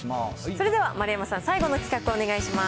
それでは丸山さん、最後の企画をお願いします。